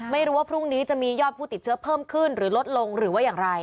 ไม่รู้ว่าพรุ่งนี้จะมียอดผู้ติดเชื้อเพิ่มขึ้นหรือลดลงหรือว่าอย่างไร